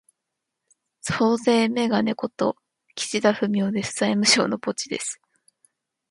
増税めがね事、岸田文雄です。財務省のポチです。